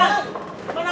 itu emang dua dua